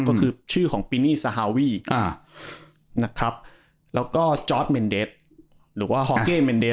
ก็คือชื่อของปีนี่สฮาวีอ่านะครับแล้วก็จอร์ดเมนเดสหรือว่าฮอเก้เมนเด